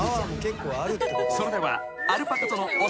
［それでは］